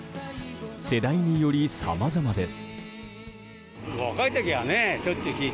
世代によりさまざまです。